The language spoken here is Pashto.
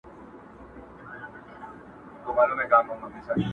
نړیوال راپورونه پرې زياتيږي،